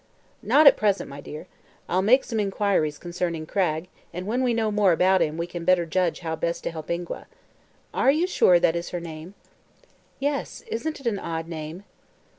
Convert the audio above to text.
"Not at present, my dear. I'll make some inquiries concerning Cragg and when we know more about him we can better judge how best to help Ingua. Are you sure that is her name?" "Yes; isn't it an odd name?"